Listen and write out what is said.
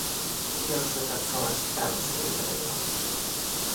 Millóns de persoas quedaron sen emprego.